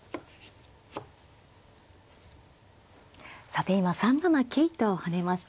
さて今３七桂と跳ねました。